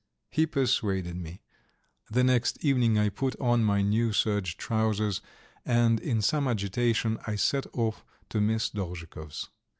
He persuaded me. The next evening I put on my new serge trousers, and in some agitation I set off to Miss Dolzhikov's.